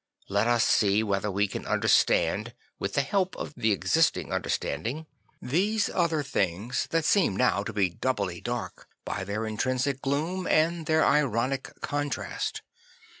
Let us see whether we can understand, with the help of the existing understanding, these other things that seem now to be doubly dark, by their intrinsic gloom and their ironic contrast."